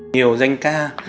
nhiều doanh ca